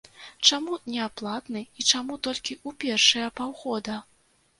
Чаму неаплатны і чаму толькі ў першыя паўгода?